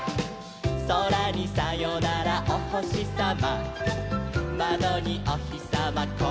「そらにさよならおほしさま」「まどにおひさまこんにちは」